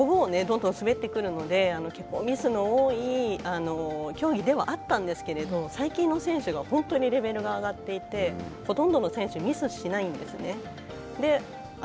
そうですねモーグルはこぶをどんどん滑ってくるので結構ミスの多い競技ではあったんですけれど最近の選手は本当にレベルが上がっていてほとんどの選手ミスしないんですね。